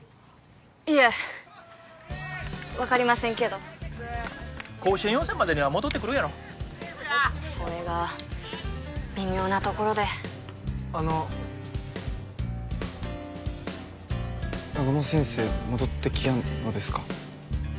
いえ分かりませんけど甲子園予選までには戻ってくるやろそれが微妙なところであの南雲先生戻ってきやんのですか？